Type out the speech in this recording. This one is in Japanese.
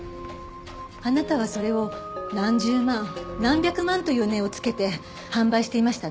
あなたはそれを何十万何百万という値を付けて販売していましたね。